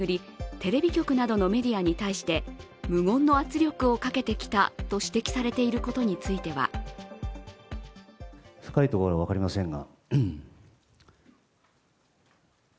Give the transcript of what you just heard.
テレビ局などのメディアに対して無言の圧力をかけてきたと指摘されていることについては被害者の救済にどのように取り組むのか。